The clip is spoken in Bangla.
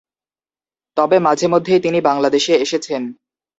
তবে মাঝেমধ্যেই তিনি বাংলাদেশে এসেছেন।